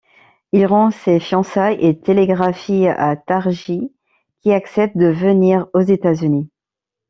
Il rompt ses fiançailles, et télégraphie à Tarji qui accepte de venir aux États-Unis.